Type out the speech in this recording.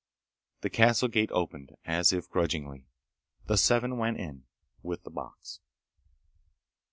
The castle gate opened, as if grudgingly. The seven went in. With the box.